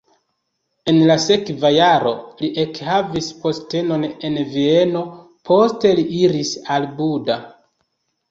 En la sekva jaro li ekhavis postenon en Vieno, poste li iris al Buda.